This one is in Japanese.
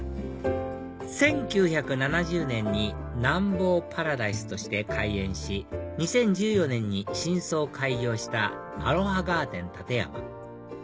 １９７０年に南房パラダイスとして開園し２０１４年に新装開業したアロハガーデンたてやま